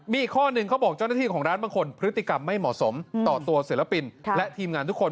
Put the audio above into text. มีอีกข้อหนึ่งเขาบอกเจ้าหน้าที่ของร้านบางคนพฤติกรรมไม่เหมาะสมต่อตัวศิลปินและทีมงานทุกคน